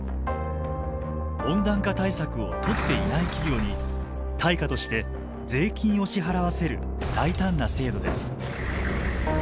温暖化対策をとっていない企業に対価として税金を支払わせる大胆な制度です。